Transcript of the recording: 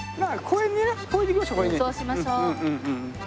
そうしましょう。ハハハ。